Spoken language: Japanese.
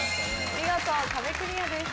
見事壁クリアです。